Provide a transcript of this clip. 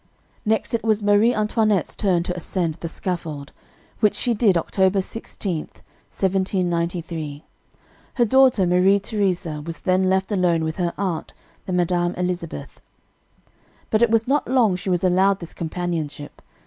"Next it was Marie Antoinette's turn to ascend the scaffold, which she did October 16, 1793. Her daughter, Marie Theresa, was then left alone with her aunt, the Madame Elizabeth. "But it was not long she was allowed this companionship.